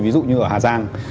ví dụ như ở hà giang